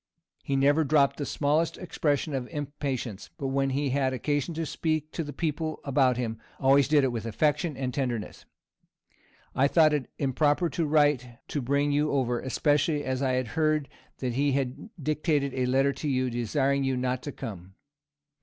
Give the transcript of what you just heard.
He never dropped the smallest expression of impatience; but when he had occasion to speak to the people about him, always did it with affection and tenderness. I thought it improper to write to bring you over, especially as I heard that he had dictated a letter to you, desiring you not to come.